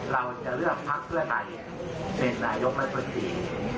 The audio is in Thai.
เราจะเลือกพักเพื่อใครเป็นนายกรัฐธรรมดี